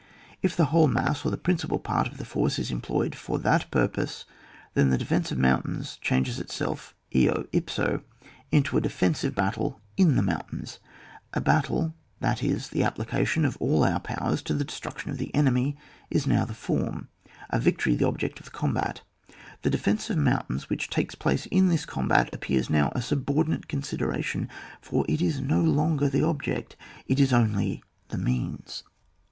If the whole mass, or the principal part of the force, is employed for that purpose, then the defence of mountains changes itseK eo ipso into a defensive hattU in the mountains, A battle, Uiat is the application of all our powers to the destruction of the enemy is now the form, a victory the object of the combat. The defence of moimtains which takes place in this combat, appears now a subordinate consideration, for it is no longer the object, it is only the means.